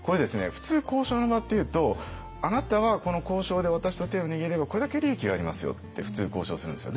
普通交渉の場っていうと「あなたはこの交渉で私と手を握ればこれだけ利益がありますよ」って普通交渉するんですよ。